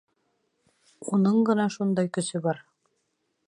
Уның ғына шундай көсө бар.